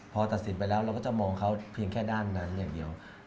พอตัดสินไปแล้วเราก็จะมองเขาเพียงแค่ด้านนั้นอย่างเดียว